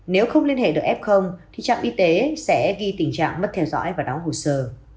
nếu không liên hệ được f thì trạm y tế sẽ ghi tình trạng mất theo dõi và đóng hồ sơ